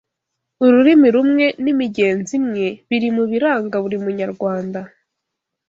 ururimi rumwe n’imigenzo imwe biri mubiranga buri munyarwanda